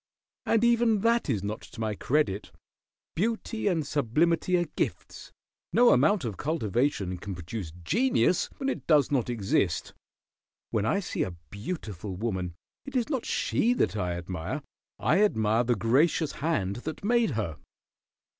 "And even that is not to my credit. Beauty and sublimity are gifts. No amount of cultivation can produce genius when it does not exist. When I see a beautiful woman it is not she that I admire. I admire the gracious Hand that made her."